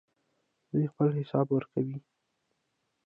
دوی خپل حساب ورکوي.